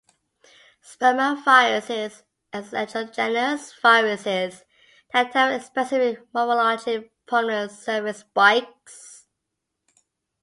Spumaviruses are exogenous viruses that have specific morphology with prominent surface spikes.